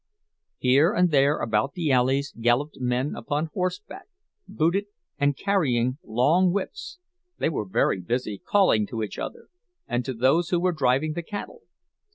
Here and there about the alleys galloped men upon horseback, booted, and carrying long whips; they were very busy, calling to each other, and to those who were driving the cattle.